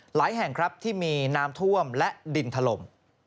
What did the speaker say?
หลายแห่งครับที่มีน้ำท่วมและดินถล่ม